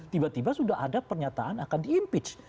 tiba tiba sudah ada pernyataan akan diimpeach